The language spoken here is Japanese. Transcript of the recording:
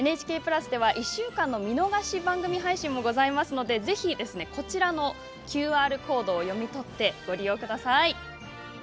ＮＨＫプラスでは１週間の見逃し番組配信もございますのでぜひ、ＱＲコードを読み取ってご覧ください。